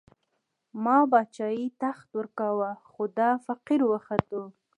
ما باچايي، تخت ورکوو، خو دا فقير وختو